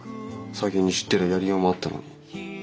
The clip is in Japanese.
先に知ってりゃやりようもあったのに。